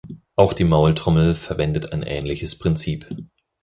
Auch die Maultrommel verwendet ein ähnliches Prinzip.